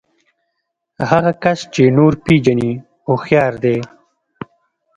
هغه کس چې نور پېژني هوښيار دی.